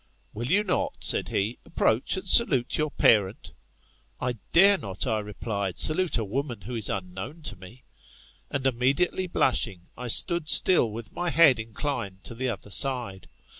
Will you not, said he, ap aproach and salute your parent "fl I dare not, I replied, salute a woman who is unknown to me. And immediately blushing, I stood still with my head inclined to the other side.